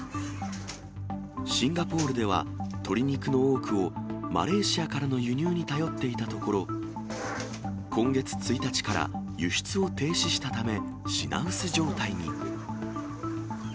シンガポールでは、鶏肉の多くをマレーシアからの輸入に頼っていたところ、今月１日から輸出を停止したため、品薄状態に。